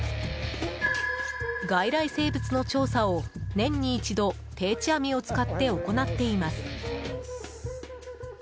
外来生物の調査を年に一度定置網を使って行っています。